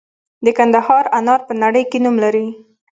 د کندهار انار په نړۍ کې نوم لري.